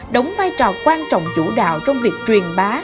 đóng vai trò quan trọng chủ đạo trong việc truyền bá